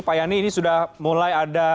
pak yani ini sudah mulai ada